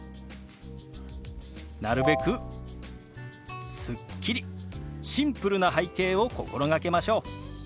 なるべくスッキリシンプルな背景を心がけましょう。